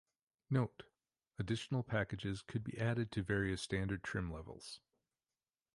Note: Additional packages could be added to various standard trim levels.